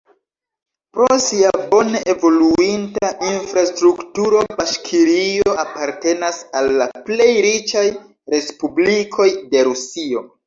Pro sia bone evoluinta infrastrukturo Baŝkirio apartenas al la plej riĉaj respublikoj de Rusio.